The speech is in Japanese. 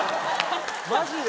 マジで！？